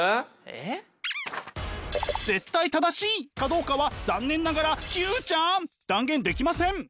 絶対正しいかどうかは残念ながら９ちゃん断言できません。